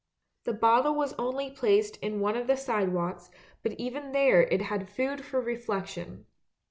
The bottle was only placed in one of the side walks, but even there it had food for reflection.